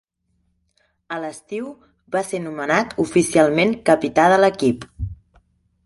A l'estiu, va ser nomenat oficialment capità de l'equip.